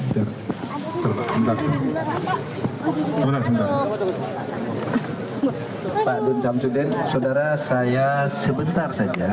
pak dien sam sudin saudara saya sebentar saja